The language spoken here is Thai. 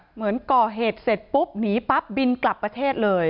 เหมือนก่อเหตุเสร็จปุ๊บหนีปั๊บบินกลับประเทศเลย